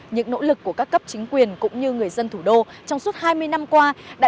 những nỗ lực của các cấp chính quyền cũng như người dân thủ đô trong suốt hai mươi năm qua đã